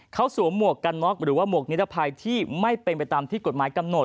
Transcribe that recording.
เขาสวมหมวกกันน็อกหรือว่าหมวกนิรภัยที่ไม่เป็นไปตามที่กฎหมายกำหนด